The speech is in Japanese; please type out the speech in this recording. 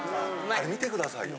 見てくださいよ。